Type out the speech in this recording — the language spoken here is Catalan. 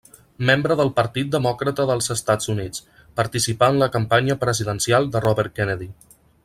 Membre del Partit Demòcrata dels Estats Units, participà en la campanya presidencial de Robert Kennedy.